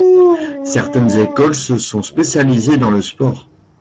Certaines écoles se sont spécialisées dans le sport.